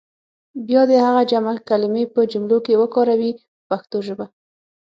بیا دې هغه جمع کلمې په جملو کې وکاروي په پښتو ژبه.